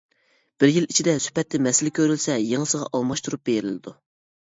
بىر يىل ئىچىدە سۈپەتتە مەسىلە كۆرۈلسە يېڭىسىغا ئالماشتۇرۇپ بېرىلىدۇ.